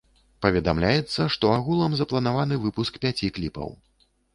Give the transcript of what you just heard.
Паведамляецца, што агулам запланаваны выпуск пяці кліпаў.